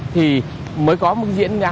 thì mới có một diễn ra